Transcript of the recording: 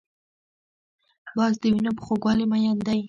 باز د وینو په خوږوالي مین دی